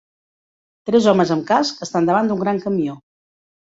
Tres homes amb casc estan davant d'un gran camió.